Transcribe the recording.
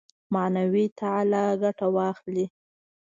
معنوي تعالي ګټه واخلي.